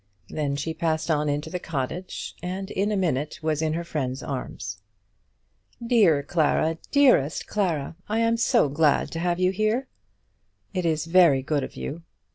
Then she passed on into the cottage, and in a minute was in her friend's arms. "Dear Clara; dearest Clara, I am so glad to have you here." "It is very good of you."